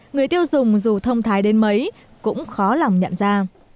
người tiêu dùng dù thông thái đến mấy cũng khó lòng nhận ra